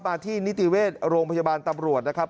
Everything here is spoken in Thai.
ที่นิติเวชโรงพยาบาลตำรวจนะครับ